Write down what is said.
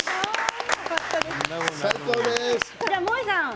最高です。